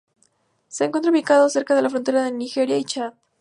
Se encuentra ubicado cerca de la frontera con Nigeria y Chad.